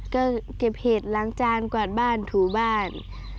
ก็เก็บเห็ดล้างจานกวาดบ้านถูบ้าน